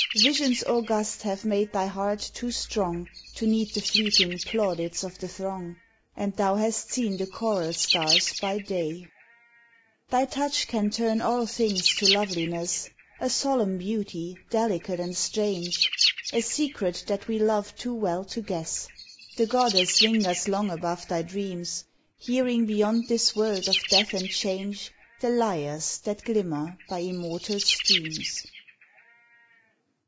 Visions august have made thy heart too strong To need the fleeting plaudits of the throng, And thou hast seen the choral stars by day Thy touch can turn all things to loveliness A solemn beauty, delicate and strange, A secret that we love too well to guess. The goddess lingers long above thy dreams, Hearing beyond this world of death and change, The lyres that glimmer by immortal streams.